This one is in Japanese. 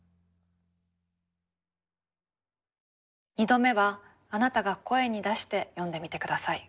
２度目はあなたが声に出して読んでみて下さい。